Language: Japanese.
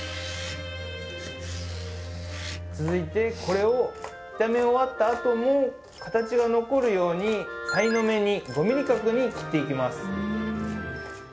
続いてこれを炒め終わったあとも形が残るようにさいの目に５ｍｍ角に切っていきます。